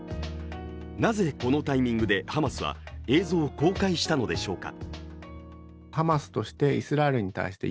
なぜこのタイミングでハマスは映像を公開したのでしょうか。